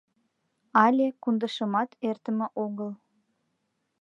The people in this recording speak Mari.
Але Кундышымат эртыме огыл.